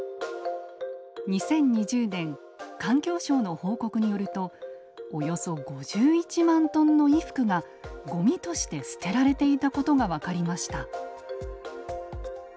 ２０２０年環境省の報告によるとおよそ５１万トンの衣服がごみとして捨てられていたことが分かりました。